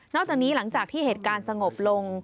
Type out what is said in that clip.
จากนี้หลังจากที่เหตุการณ์สงบลง